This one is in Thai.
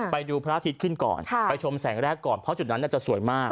ไปดูพระอาทิตย์ขึ้นก่อนไปชมแสงแรกก่อนเพราะจุดนั้นจะสวยมาก